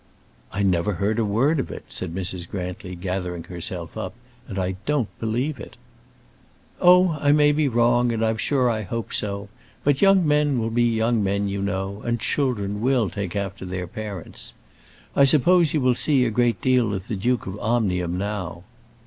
"I never heard a word of it," said Mrs. Grantly, gathering herself up, "and I don't believe it." "Oh, I may be wrong; and I'm sure I hope so. But young men will be young men, you know; and children will take after their parents. I suppose you will see a great deal of the Duke of Omnium now."